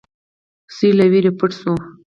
سوی له وېرې پټ شو.